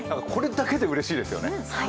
これだけでうれしいですよね。